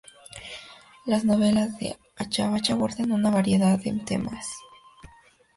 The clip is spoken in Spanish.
Las novelas de Achebe abordan una variedad de temas.